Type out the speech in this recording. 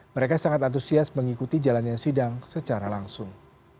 mereka sangat antusias mengikuti jalannya sidang secara langsung